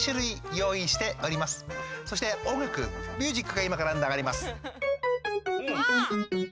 そしておんがくミュージックがいまからながれます。